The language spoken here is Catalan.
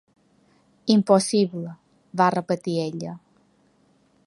"Impossible", va repetir ella.